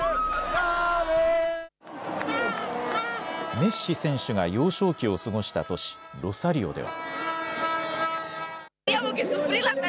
メッシ選手が幼少期を過ごした都市、ロサリオでは。